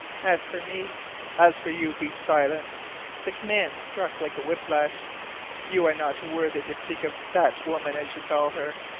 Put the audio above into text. As for me " "As for you be silent!" The command struck like a whiplash. "You are not worthy to speak of 'that woman,' as you call her.